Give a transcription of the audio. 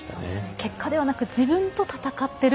結果ではなく自分と戦っている。